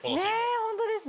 本当ですね。